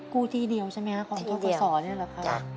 กู้ที่เดี่ยวใช่ไหมของท่อก่อซอเนี่ยหรือครับ